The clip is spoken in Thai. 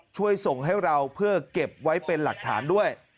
ช่วยส่งให้เราเพื่อเก็บไว้เป็นหลักฐานด้วย